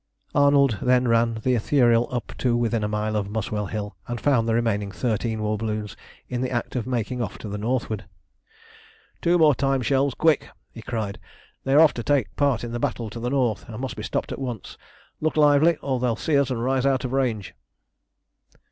Arnold then ran the Ithuriel up to within a mile of Muswell Hill, and found the remaining thirteen war balloons in the act of making off to the northward. "Two more time shells, quick!" he cried. "They are off to take part in the battle to the north, and must be stopped at once. Look lively, or they'll see us and rise out of range!"